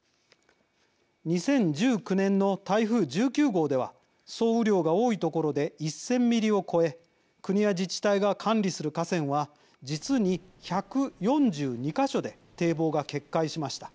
２０１９年の台風１９号では総雨量が多い所で１０００ミリを超え国や自治体が管理する河川は実に１４２か所で堤防が決壊しました。